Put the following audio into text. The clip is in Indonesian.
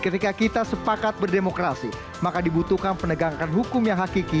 ketika kita sepakat berdemokrasi maka dibutuhkan penegakan hukum yang hakiki